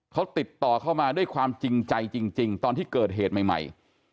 เขาติดต่อเข้ามาด้วยความจริงใจจริงตอนที่เกิดเหตุใหม่